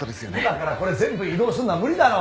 今からこれ全部移動するのは無理だろ！